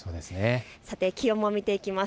さて気温も見ていきます。